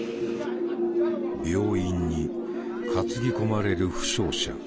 病院に担ぎ込まれる負傷者。